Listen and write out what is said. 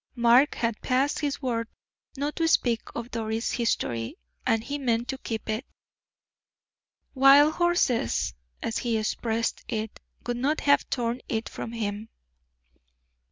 Mark had passed his word not to speak of Doris' history, and he meant to keep it. "Wild horses," as he expressed it, would not have torn it from him.